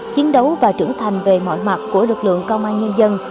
chiến đấu và trưởng thành về mọi mặt của lực lượng công an nhân dân